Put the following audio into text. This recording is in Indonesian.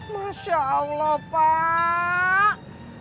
masya allah pak